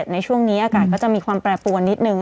ในช่วงนี้อากาศก็จะมีความแปรปวนนิดนึง